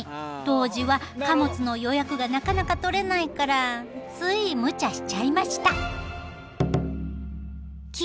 当時は貨物の予約がなかなか取れないからついむちゃしちゃいました。